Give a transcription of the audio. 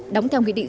đóng theo nghị định